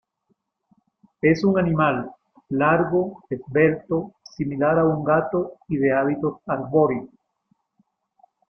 Es un animal, largo, esbelto, similar a un gato y de hábitos arbóreos.